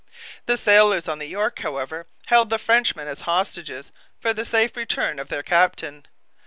The sailors on the York, however, held the Frenchmen as hostages for the safe return of their captain.